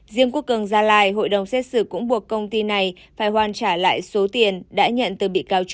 riêng quốc cường gia lai hội đồng xét xử cũng buộc công ty này phải hoàn trả lại số tiền đã nhận từ bị cáo trung